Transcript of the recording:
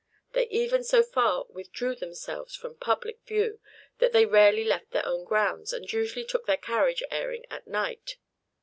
They even so far withdrew themselves from public view that they rarely left their own grounds, and usually took their carriage airing at night.